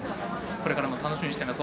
これからも楽しみにしています。